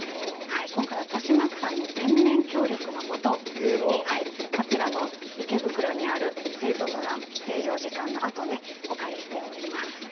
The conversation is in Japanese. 今回は、豊島区さんの全面協力のもとこちらの池袋にある水族館営業時間のあとお借りしております。